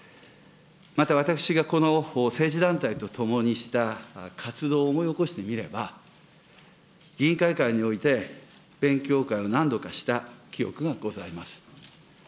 また私がこの政治団体と共にした活動を思い起こしてみれば、議員会館において勉強会を何度かした記憶がございます。